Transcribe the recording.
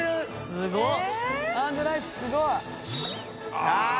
すごい。